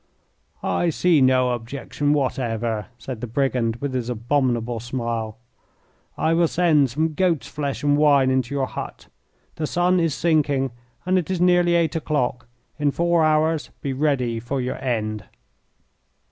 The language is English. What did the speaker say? "I see no objection whatever," said the brigand, with his abominable smile. "I will send some goat's flesh and wine into your hut. The sun is sinking and it is nearly eight o'clock. In four hours be ready for your end."